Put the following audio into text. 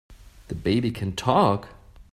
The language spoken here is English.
The baby can TALK!